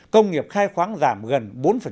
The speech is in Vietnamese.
công nghiệp khai khoáng giảm gần bốn